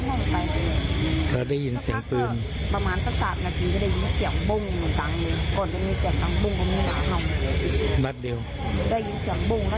หนูก็เข้าห้องไปแล้วได้ยินเสียงปืนประมาณสักสักนาทีก็ได้ยินเสียงบุ้ง